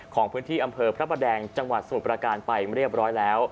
ของพื้นที่อำเภอพระประแดงจังหวัดสมุทรประการไปเรียบร้อยแล้ว